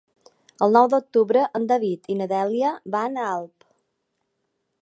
El nou d'octubre en David i na Dèlia van a Alp.